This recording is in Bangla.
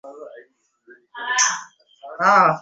সৃষ্টির সবচাইতে মিষ্টি জোনাকপোকা।